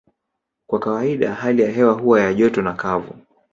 Kwa kawaida hali ya hewa huwa ya joto na kavu